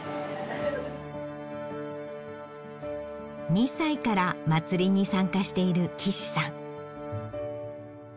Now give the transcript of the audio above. ２歳からまつりに参加している貴志さん。